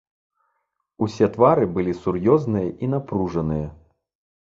Усе твары былі сур'ёзныя і напружаныя.